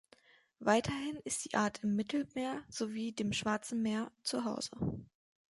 Weiterhin ist die Art im Mittelmeer sowie dem Schwarzen Meer zu Hause.